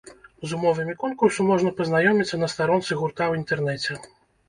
З умовамі конкурсу можна пазнаёміцца на старонцы гурта ў інтэрнэце.